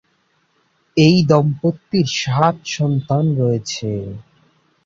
এই দম্পতির সাত সন্তান রয়েছে।